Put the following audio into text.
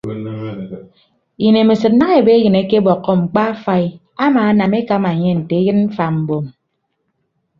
Inemesịd daña ebe eyịn akebọkkọ mkpa afai amaanam ekama enye nte eyịn mfa mbom.